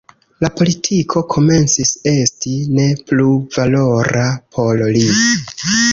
La politiko komencis esti ne plu valora por li.